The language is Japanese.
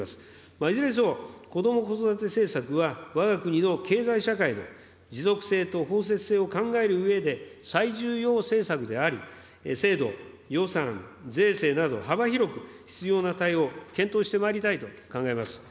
いずれにせよ、こども・子育て政策はわが国の経済社会で、持続性と包摂性を考えるうえで、最重要政策であり、制度、予算、税制など、幅広く必要な対応を検討してまいりたいと考えます。